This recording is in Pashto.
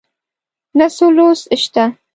نه څه لوست شته